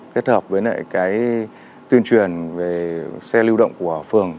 kết hợp với tuyên truyền về xe lưu động của phường